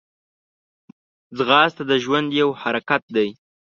منډه د ژوند یو حرکت دی